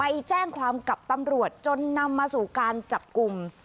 ไปแจ้งความกับตำรวจจนนำมาสู่การจับกลุ่ม